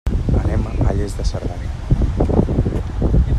Anem a Lles de Cerdanya.